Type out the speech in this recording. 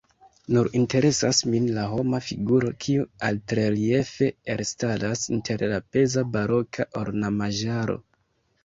Nur interesas min la homa figuro, kiu altreliefe elstaras inter la peza baroka ornamaĵaro.